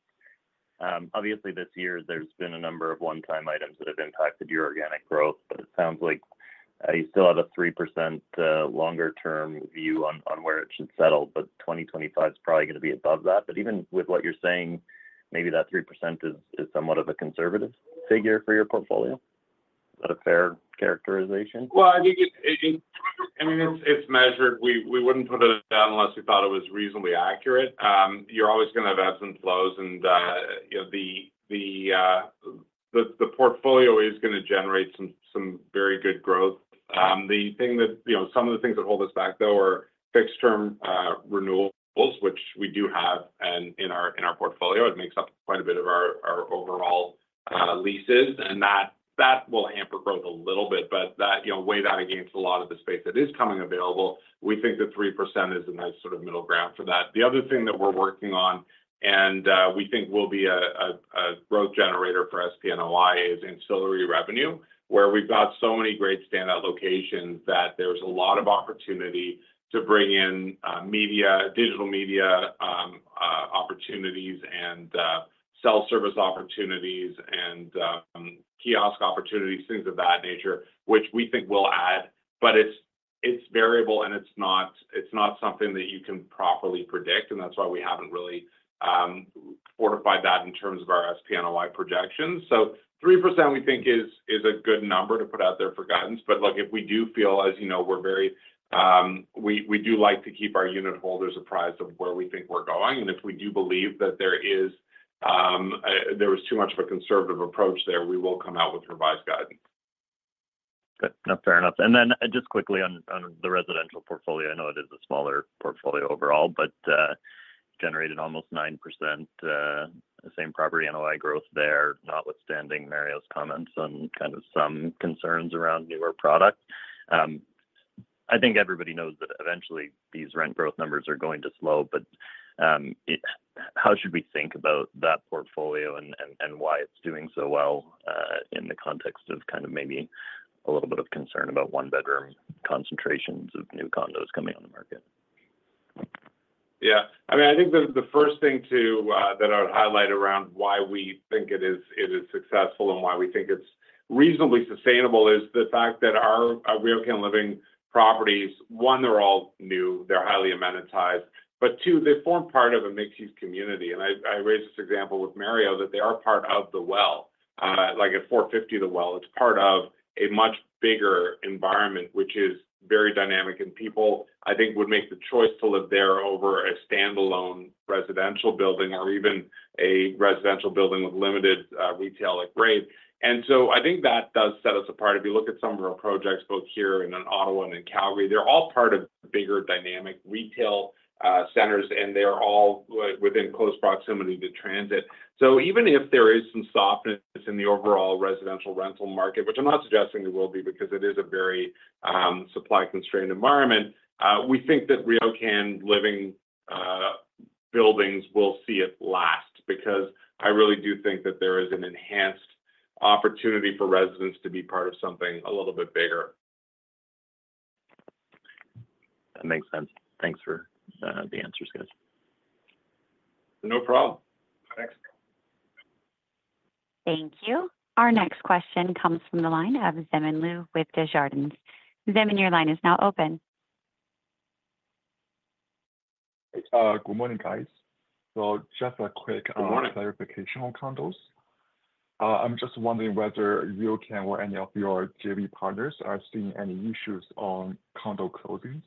H: obviously this year, there's been a number of one-time items that have impacted your organic growth, but it sounds like, you still have a 3%, longer-term view on, on where it should settle, but 2025 is probably going to be above that. But even with what you're saying, maybe that 3% is, is somewhat of a conservative figure for your portfolio. Is that a fair characterization?
C: Well, I think it. I mean, it's measured. We wouldn't put it down unless we thought it was reasonably accurate. You're always going to have ebbs and flows, and you know, the portfolio is going to generate some very good growth. The thing that, you know, some of the things that hold us back, though, are fixed-term renewables, which we do have in our portfolio. It makes up quite a bit of our overall leases, and that will hamper growth a little bit, but you know, weigh that against a lot of the space that is coming available. We think that 3% is a nice sort of middle ground for that. The other thing that we're working on, and we think will be a growth generator for SPNOI is ancillary revenue, where we've got so many great standout locations that there's a lot of opportunity to bring in media, digital media-... and self-service opportunities and kiosk opportunities, things of that nature, which we think will add, but it's variable, and it's not something that you can properly predict, and that's why we haven't really fortified that in terms of our SPNOI projections. So 3% we think is a good number to put out there for guidance. But look, if we do feel as, you know, we're very... We do like to keep our unit holders apprised of where we think we're going. And if we do believe that there is too much of a conservative approach there, we will come out with revised guidance.
H: Good. No, fair enough. And then just quickly on the residential portfolio, I know it is a smaller portfolio overall, but generated almost 9% the same property NOI growth there, notwithstanding Mario's comments on kind of some concerns around newer products. I think everybody knows that eventually these rent growth numbers are going to slow, but how should we think about that portfolio and why it's doing so well in the context of kind of maybe a little bit of concern about one-bedroom concentrations of new condos coming on the market?
C: Yeah. I mean, I think the first thing that I would highlight around why we think it is successful and why we think it's reasonably sustainable is the fact that our RioCan Living properties, one, they're all new, they're highly amenitized, but two, they form part of a mixed-use community. And I raised this example with Mario, that they are part of The Well. Like at 450 The Well, it's part of a much bigger environment, which is very dynamic, and people, I think, would make the choice to live there over a standalone residential building or even a residential building with limited retail, like [grave]. And so I think that does set us apart. If you look at some of our projects, both here and in Ottawa and in Calgary, they're all part of bigger dynamic retail centers, and they are all within close proximity to transit. So even if there is some softness in the overall residential rental market, which I'm not suggesting there will be, because it is a very supply-constrained environment, we think that RioCan Living buildings will see it last, because I really do think that there is an enhanced opportunity for residents to be part of something a little bit bigger.
H: That makes sense. Thanks for the answers, guys.
C: No problem. Thanks.
A: Thank you. Our next question comes from the line of Zemin Liu with Desjardins. Zemin, your line is now open.
I: Good morning, guys. Just a quick-
C: Good morning...
I: clarification on condos. I'm just wondering whether RioCan or any of your JV partners are seeing any issues on condo closings?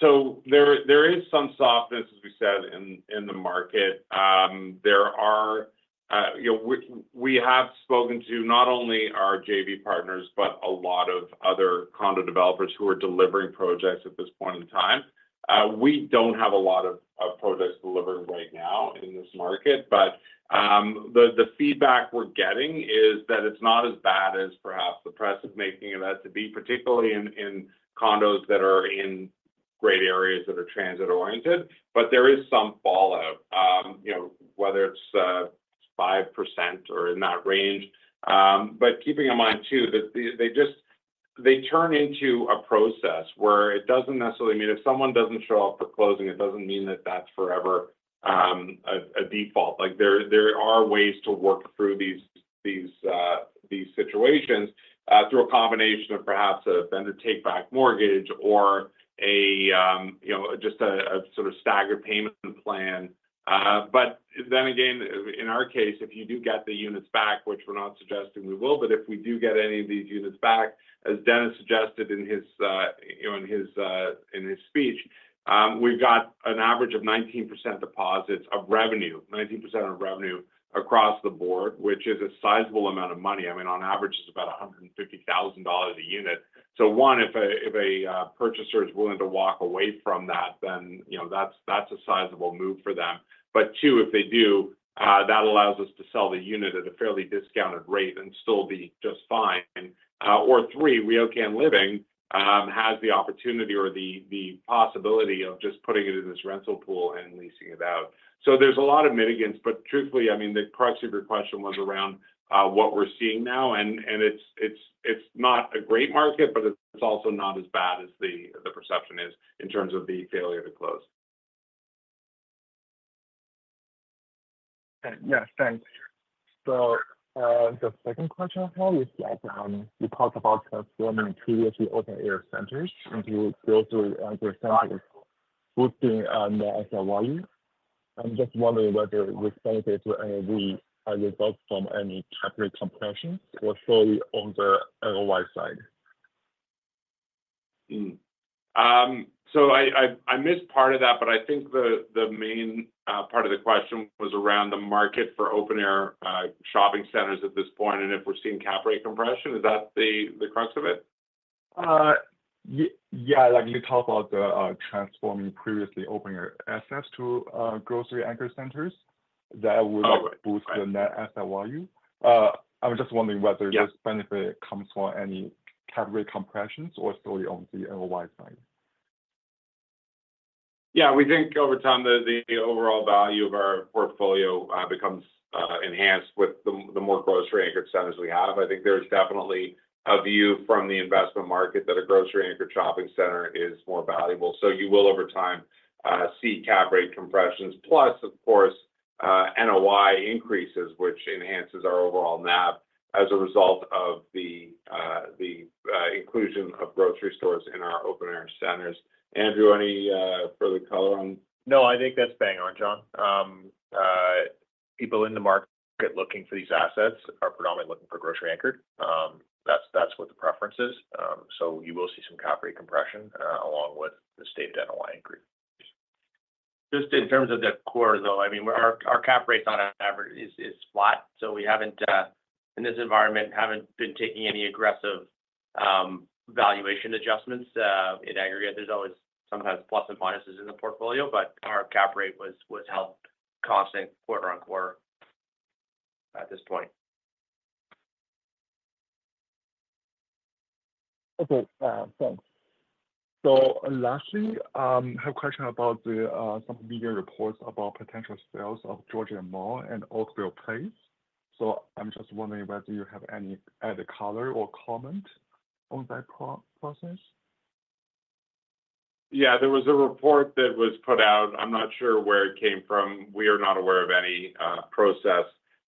C: So there is some softness, as we said, in the market. There are, you know, we have spoken to not only our JV partners, but a lot of other condo developers who are delivering projects at this point in time. We don't have a lot of projects delivered right now in this market, but the feedback we're getting is that it's not as bad as perhaps the press is making it out to be, particularly in condos that are in great areas that are transit-oriented. But there is some fallout, you know, whether it's 5% or in that range. But keeping in mind, too, that they just turn into a process where it doesn't necessarily mean. If someone doesn't show up for closing, it doesn't mean that that's forever, a default. Like, there are ways to work through these situations through a combination of perhaps a vendor takeback mortgage or a, you know, just a sort of staggered payment plan. But then again, in our case, if you do get the units back, which we're not suggesting we will, but if we do get any of these units back, as Dennis suggested in his, you know, speech, we've got an average of 19% deposits of revenue, 19% of revenue across the board, which is a sizable amount of money. I mean, on average, it's about 150,000 dollars a unit. So if a purchaser is willing to walk away from that, then, you know, that's a sizable move for them. But two, if they do, that allows us to sell the unit at a fairly discounted rate and still be just fine. Or three, RioCan Living has the opportunity or the possibility of just putting it in this rental pool and leasing it out. So there's a lot of mitigants, but truthfully, I mean, the crux of your question was around what we're seeing now, and it's not a great market, but it's also not as bad as the perception is in terms of the failure to close.
I: Yes, thanks. So, the second question I have is that, you talked about transforming previously open-air centers, and you go through understanding, boosting, the net asset value. I'm just wondering whether this benefit will be, result from any Cap Rate compressions or so on the NOI side.
C: So, I missed part of that, but I think the main part of the question was around the market for open-air shopping centers at this point, and if we're seeing cap rate compression, is that the crux of it?
I: Yeah, like you talked about the transforming previously open-air assets to grocery-anchored centers, that would-
C: Oh, right...
I: boost the net asset value. I was just wondering whether-
C: Yeah...
I: this benefit comes from any cap rate compressions or so on the NOI side.
C: Yeah, we think over time, the overall value of our portfolio becomes enhanced with the more grocery-anchored centers we have. I think there's definitely a view from the investment market that a grocery-anchored shopping center is more valuable. So you will, over time, see cap rate compressions. Plus, of course, NOI increases, which enhances our overall NAV as a result of the inclusion of grocery stores in our open-air centers. Andrew, any further color on?
J: No, I think that's bang on, John. People in the market looking for these assets are predominantly looking for grocery-anchored. That's, that's what the preference is. So you will see some cap rate compression, along with the stated NOI increase. Just in terms of the core, though, I mean, our cap rate on our average is flat, so we haven't in this environment been taking any aggressive valuation adjustments. In aggregate, there's always sometimes plus and minuses in the portfolio, but our cap rate was held constant quarter-over-quarter at this point.
I: Okay, thanks. So lastly, I have a question about some media reports about potential sales of Georgian Mall and Oakville Place. So I'm just wondering whether you have any added color or comment on that process?
C: Yeah, there was a report that was put out. I'm not sure where it came from. We are not aware of any process,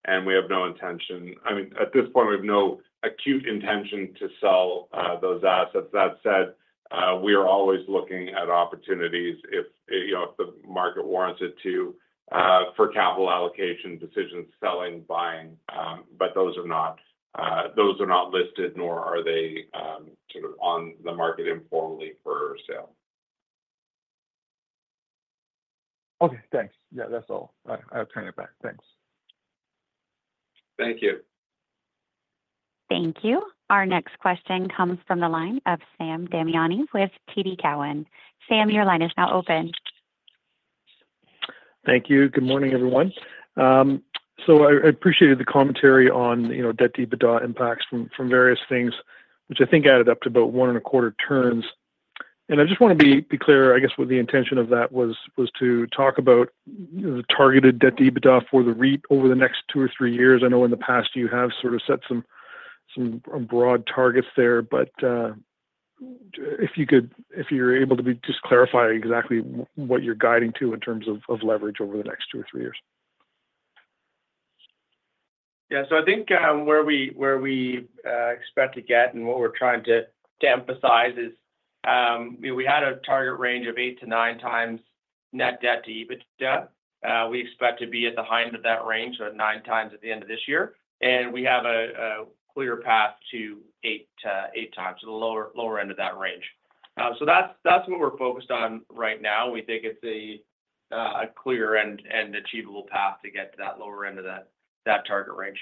C: and we have no intention... I mean, at this point, we have no acute intention to sell those assets. That said, we are always looking at opportunities if, you know, if the market warrants it to for capital allocation decisions, selling, buying. But those are not, those are not listed, nor are they sort of on the market informally for sale.
I: Okay, thanks. Yeah, that's all. I, I'll turn it back. Thanks.
C: Thank you.
A: Thank you. Our next question comes from the line of Sam Damiani with TD Cowen. Sam, your line is now open.
F: Thank you. Good morning, everyone. So I appreciated the commentary on, you know, debt to EBITDA impacts from various things, which I think added up to about 1.25 turns. I just want to be clear, I guess, what the intention of that was to talk about the targeted debt to EBITDA for the REIT over the next two or three years. I know in the past you have sort of set some broad targets there, but if you could, if you're able to just clarify exactly what you're guiding to in terms of leverage over the next two or three years.
D: Yeah. So I think, where we expect to get and what we're trying to emphasize is, we had a target range of eight to nine times Net Debt to EBITDA. We expect to be at the high end of that range, so at 9 times at the end of this year. And we have a clear path to eight times, the lower end of that range. So that's what we're focused on right now. We think it's a clear and achievable path to get to that lower end of that target range.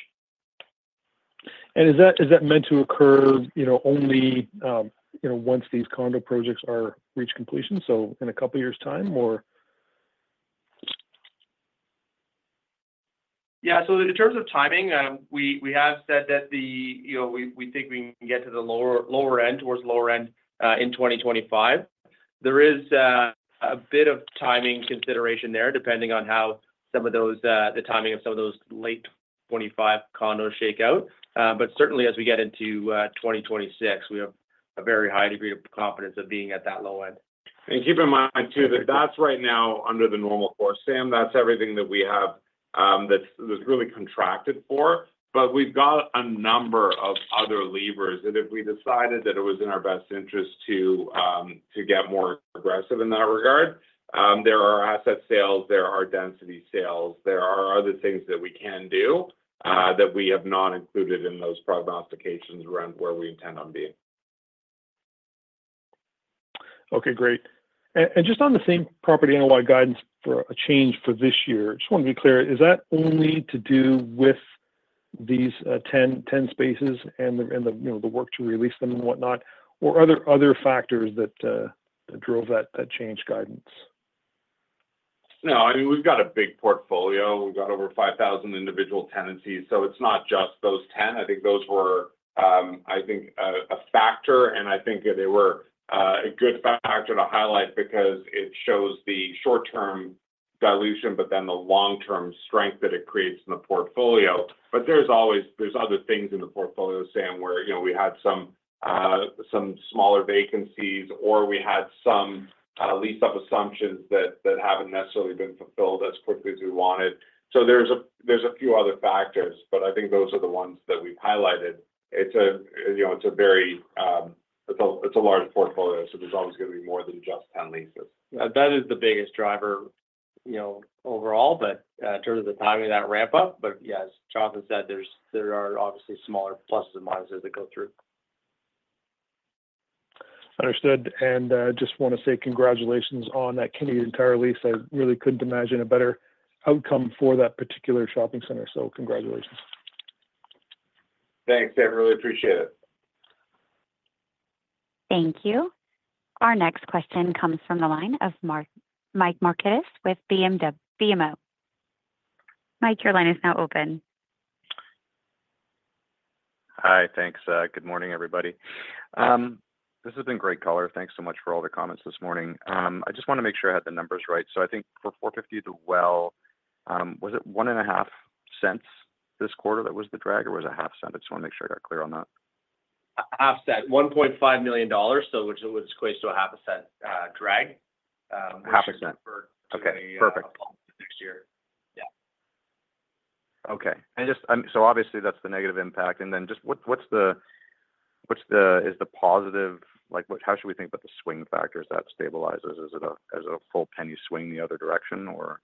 F: Is that, is that meant to occur, you know, only, you know, once these condo projects are reached completion, so in a couple of years' time or?
D: Yeah. So in terms of timing, we have said that you know, we think we can get to the lower, lower end, towards the lower end, in 2025. There is a bit of timing consideration there, depending on how some of those, the timing of some of those late 2025 condos shake out. But certainly, as we get into 2026, we have a very high degree of confidence of being at that low end.
C: Keep in mind, too, that that's right now under the normal course, Sam. That's everything that we have, that's really contracted for. But we've got a number of other levers, that if we decided that it was in our best interest to get more aggressive in that regard, there are asset sales, there are density sales, there are other things that we can do, that we have not included in those prognostications around where we intend on being.
F: Okay, great. Just on the same-property NOI guidance for a change for this year, just want to be clear, is that only to do with these 10 spaces and the you know, the work to release them and whatnot, or are there other factors that drove that change guidance?
C: No, I mean, we've got a big portfolio. We've got over 5,000 individual tenancies, so it's not just those 10. I think those were a factor, and I think they were a good factor to highlight because it shows the short-term dilution, but then the long-term strength that it creates in the portfolio. But there's always other things in the portfolio, Sam, where, you know, we had some smaller vacancies, or we had some lease-up assumptions that haven't necessarily been fulfilled as quickly as we wanted. So there's a few other factors, but I think those are the ones that we've highlighted. It's a, you know, it's a large portfolio, so there's always going to be more than just 10 leases. That is the biggest driver, you know, overall, but in terms of the timing of that ramp-up. But yeah, as John has said, there are obviously smaller pluses and minuses that go through.
F: Understood. And, just want to say congratulations on that Canadian Tire lease. I really couldn't imagine a better outcome for that particular shopping center, so congratulations.
C: Thanks, Sam. Really appreciate it.
A: Thank you. Our next question comes from the line of Mike Markidis with BMO. Mike, your line is now open....
K: Hi. Thanks. Good morning, everybody. This has been great color. Thanks so much for all the comments this morning. I just wanna make sure I have the numbers right. So I think for 450 The Well, was it 0.015 this quarter that was the drag, or was it CAD 0.005? I just wanna make sure I got clear on that.
D: CAD 0.005, 1.5 million dollars, so which, which equates to CAD 0.005 drag.
K: CAD 0.005.
D: Which is referred to the-
K: Okay, perfect
D: Next year. Yeah.
K: Okay. And just, so obviously that's the negative impact, and then just what, what's the, what's the—is the positive...? Like, what—how should we think about the swing factors that stabilizes? Is it a, is it a full penny swing the other direction, or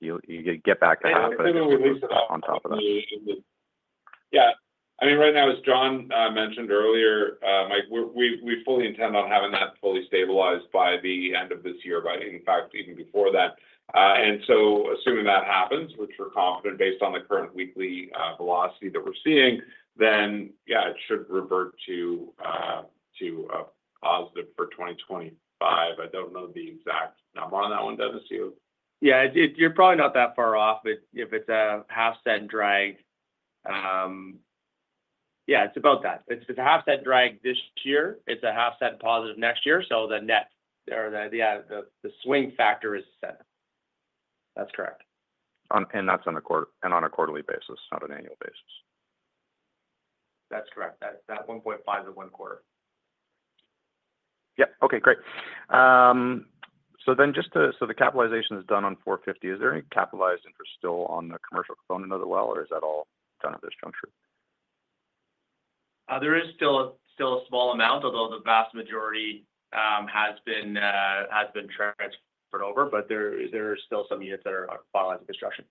K: you, you get back to half, but on top of that?
C: Yeah. I mean, right now, as John mentioned earlier, Mike, we fully intend on having that fully stabilized by the end of this year, but in fact, even before that. And so assuming that happens, which we're confident based on the current weekly velocity that we're seeing, then, yeah, it should revert to positive for 2025. I don't know the exact number on that one, does it, say so?
D: Yeah, you're probably not that far off if it's a CAD 0.005 drag. Yeah, it's about that. It's a CAD 0.005 drag this year. It's a CAD 0.005 positive next year, so the net, yeah, the swing factor is CAD 0.01. That's correct.
K: And that's on a quarterly basis, not an annual basis?
D: That's correct. That 1.5 is one quarter.
K: Yeah. Okay, great. So then just to... So the capitalization is done on 450. Is there any capitalized interest still on the commercial component of The Well, or is that all done at this juncture?
D: There is still a small amount, although the vast majority has been transferred over, but there are still some units that are finalized in construction.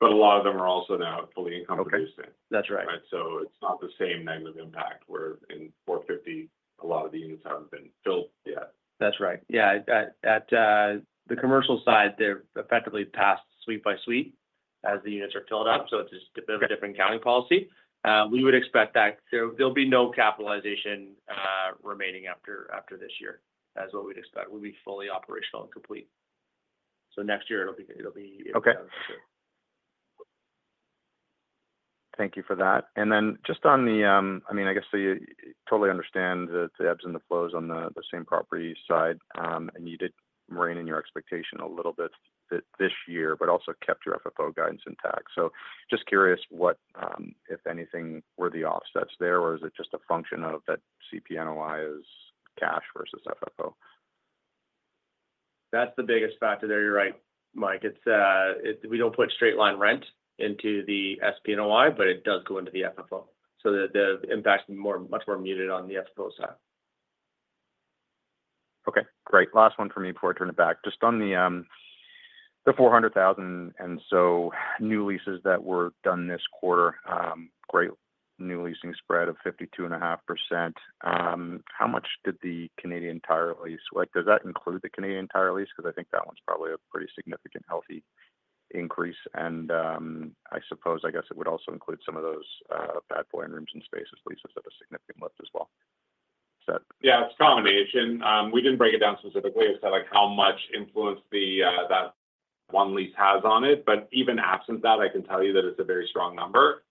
C: A lot of them are also now fully income producing.
D: Okay. That's right.
C: Right, so it's not the same negative impact where in 450 The Well, a lot of the units haven't been filled yet.
D: That's right. Yeah, at the commercial side, they're effectively passed suite by suite as the units are filled up, so it's just a-
K: Okay...
D: different accounting policy. We would expect that there'll be no capitalization remaining after this year. That's what we'd expect, will be fully operational and complete. So next year, it'll be, it'll be-
K: Okay
D: Sure.
K: Thank you for that. Then just on the, I mean, I guess so you totally understand the ebbs and the flows on the same property side, and you did rein in your expectation a little bit this year, but also kept your FFO guidance intact. So just curious what, if anything, were the offsets there, or is it just a function of that SPNOI is cash versus FFO?
D: That's the biggest factor there. You're right, Mike. It's we don't put straight-line rent into the SPNOI, but it does go into the FFO. So the impact is much more muted on the FFO side.
K: Okay, great. Last one for me before I turn it back. Just on the 400,000 or so new leases that were done this quarter, great new leasing spread of 52.5%. How much did the Canadian Tire lease... Like, does that include the Canadian Tire lease? Because I think that one's probably a pretty significant, healthy increase, and I suppose, I guess it would also include some of those Bad Boy, rooms + spaces leases at a significant lift as well. Is that-
C: Yeah, it's a combination. We didn't break it down specifically as to, like, how much influence the that one lease has on it, but even absent that, I can tell you that it's a very strong number.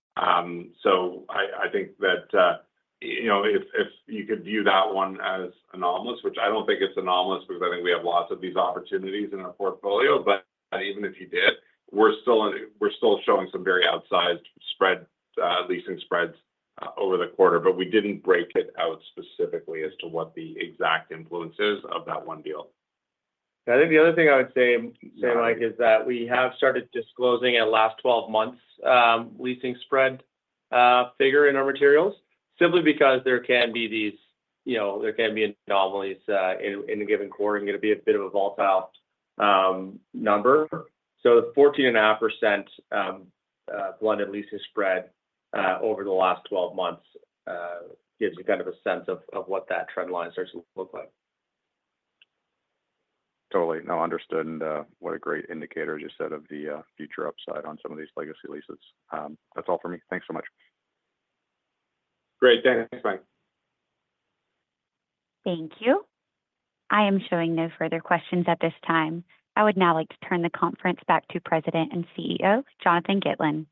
C: So I, I think that, you know, if, if you could view that one as anomalous, which I don't think it's anomalous because I think we have lots of these opportunities in our portfolio, but even if you did, we're still, we're still showing some very outsized spread, leasing spreads, over the quarter. But we didn't break it out specifically as to what the exact influence is of that one deal.
D: I think the other thing I would say, say, Mike, is that we have started disclosing a last 12 months leasing spread figure in our materials, simply because there can be these, you know, there can be anomalies in a given quarter, and it'll be a bit of a volatile number. So 14.5% blended leasing spread over the last 12 months gives you kind of a sense of what that trend line starts to look like.
K: Totally. No, understood, and what a great indicator you said of the future upside on some of these legacy leases. That's all for me. Thanks so much.
C: Great. Thanks, Mike.
A: Thank you. I am showing no further questions at this time. I would now like to turn the conference back to President and CEO, Jonathan Gitlin.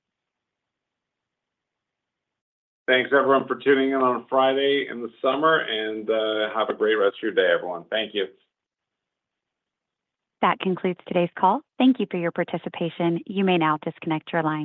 C: Thanks, everyone, for tuning in on a Friday in the summer, and, have a great rest of your day, everyone. Thank you.
A: That concludes today's call. Thank you for your participation. You may now disconnect your line.